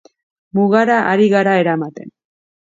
Mugara ari gara eramaten.